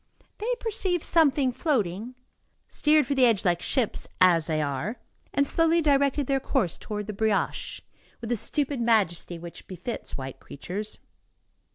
They perceived something floating, steered for the edge like ships, as they are, and slowly directed their course toward the brioche, with the stupid majesty which befits white creatures.